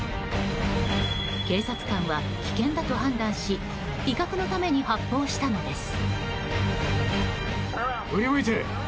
警察官は危険だと判断し威嚇のために発砲したのです。